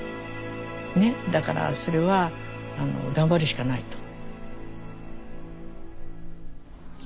だからそれは頑張るしかないと。